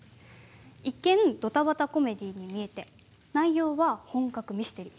一見どたばたコメディーに見えて内容は本格ミステリ。